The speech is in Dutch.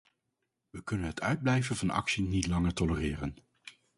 We kunnen het uitblijven van actie niet langer tolereren.